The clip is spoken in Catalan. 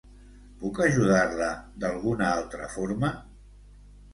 Puc ajudar-la d'alguna altra forma?